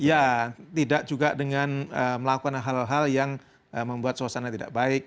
ya tidak juga dengan melakukan hal hal yang membuat suasana tidak baik